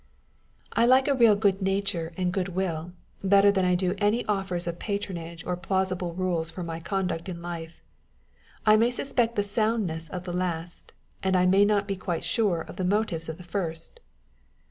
1 I like real good nature and good will, better than I do any offers of patronage or plausible rules for my conduct in life. I may suspect the soundness of the last, and I may not be quite sure of the motives of the first.